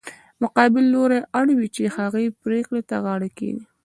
مقابل لوری اړ وي چې هغې پرېکړې ته غاړه کېږدي.